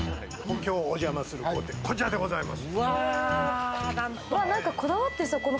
きょうお邪魔するのは、こちらでございます。